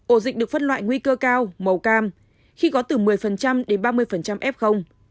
ổ dịch được phân loại nguy cơ cao màu cam khi có từ một mươi đến ba mươi f